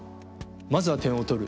まずは点を取る。